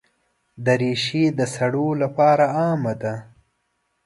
دریشي د سړو لپاره عامه ده.